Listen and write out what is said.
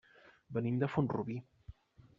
Venim de Font-rubí.